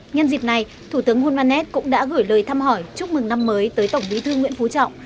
nhân dịp này thủ tướng hulmanet cũng đã gửi lời thăm hỏi chúc mừng năm mới tới tổng bí thư nguyễn phú trọng